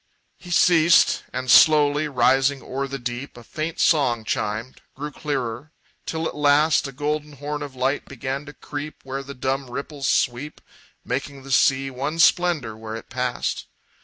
He ceased and, slowly rising o'er the deep, A faint song chimed, grew clearer, till at last A golden horn of light began to creep Where the dumb ripples sweep, Making the sea one splendor where it passed.